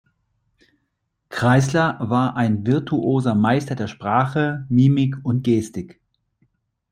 Kreisler war ein virtuoser Meister der Sprache, Mimik und Gestik.